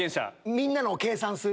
みんなのを計算する。